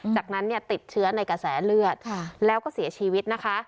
จากนั้นเนี่ยติดเชื้อในกระแสเลือดแล้วก็เสียชีวิตนะคะ